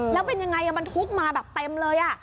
แล้วเป็นยังไงมันทุกข์มาแบบเต็มเลย